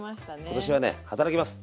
今年はね働きます。